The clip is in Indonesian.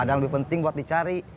ada yang lebih penting buat dicari